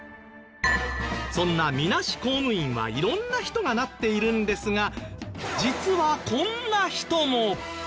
そんなみなし公務員は色んな人がなっているんですが実はこんな人も！